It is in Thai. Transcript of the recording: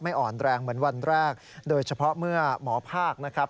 อ่อนแรงเหมือนวันแรกโดยเฉพาะเมื่อหมอภาคนะครับ